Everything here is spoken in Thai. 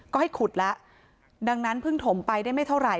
ก็ให้ขุดแล้วดังนั้นเพิ่งถมไปได้ไม่เท่าไห